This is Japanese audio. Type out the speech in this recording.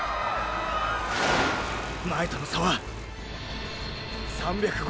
前との差は３５０ｍ！！